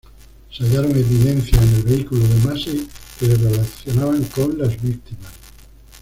Se hallaron evidencias en el vehículo de Massey que le relacionaban con las víctimas.